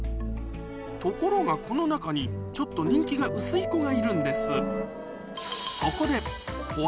ところがこの中にちょっと人気が薄い子がいるんです